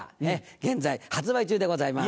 現在発売中でございます。